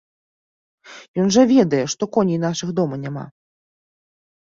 Ён жа ведае, што коней нашых дома няма.